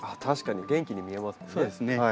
確かに元気に見えますね。